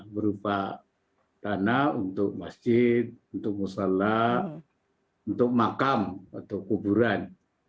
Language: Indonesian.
berupa tanah untuk masjid untuk musyola untuk makam atau kuburan